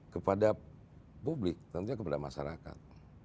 kepada publik tentunya kepada masyarakat